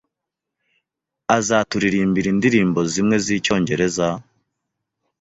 Uzaturirimbira indirimbo zimwe zicyongereza?